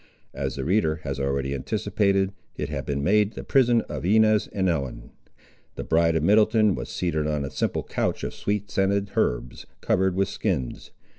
As the reader has already anticipated, it had been made the prison of Inez and Ellen. The bride of Middleton was seated on a simple couch of sweet scented herbs covered with skins.